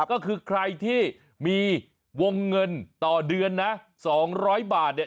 ก็คือใครที่มีวงเงินต่อเดือนนะ๒๐๐บาทเนี่ย